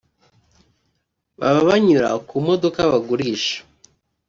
baba banyura ku modoka bagurisha